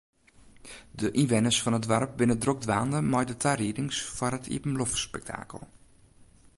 De ynwenners fan it doarp binne drok dwaande mei de tariedings foar it iepenloftspektakel.